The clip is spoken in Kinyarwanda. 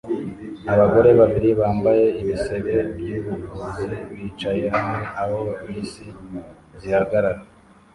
Abagore babiri bambaye ibisebe byubuvuzi bicara hamwe aho bisi zihagarara